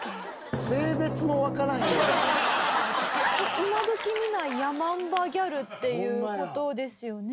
今どき見ないヤマンバギャルっていう事ですよね？